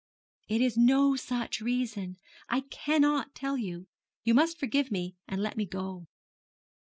'It is no such reason. I cannot tell you. You must forgive me, and let me go.'